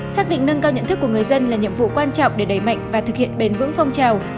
xác định nâng cao nhận thức của người dân là nhiệm vụ quan trọng để đẩy mạnh và thực hiện bền vững phong trào